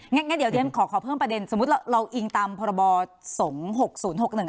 งั้นเดี๋ยวเดี๋ยวเดี๋ยวขอขอเพิ่มประเด็นสมมุติเราอิงตามพรบอสงศ์หกศูนย์หกหนึ่ง